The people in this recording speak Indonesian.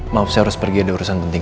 maaf saya harus pergi ada urusan penting